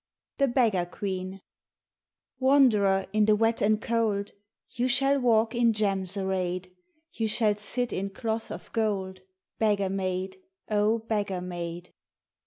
TLhc Beogav Queen W ANDERER in the wet and cold You shall walk in gems arrayed, You shall sit in cloth of gold Beggar maid, O beggar maid